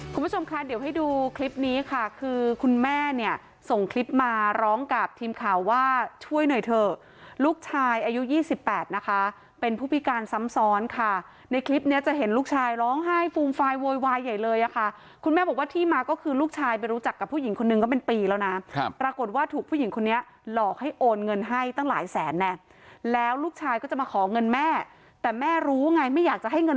คุณผู้ชมค่ะเดี๋ยวให้ดูคลิปนี้ค่ะคือคุณแม่เนี่ยส่งคลิปมาร้องกับทีมข่าวว่าช่วยหน่อยเถอะลูกชายอายุ๒๘นะคะเป็นผู้พิการซ้ำซ้อนค่ะในคลิปนี้จะเห็นลูกชายร้องไห้ฟูมฟายโวยวายใหญ่เลยค่ะคุณแม่บอกว่าที่มาก็คือลูกชายไปรู้จักกับผู้หญิงคนนึงก็เป็นปีแล้วนะปรากฏว่าถูกผู้หญิงคนนี้หลอกให